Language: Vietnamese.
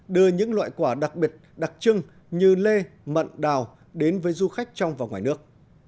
đưa những loại quả đặc biệt đặc trưng như lê mận đào đến với du khách trong và ngoài nước